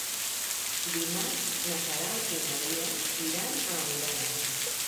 Dimarts na Queralt i na Lia iran a Agullana.